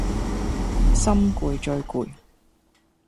心攰最攰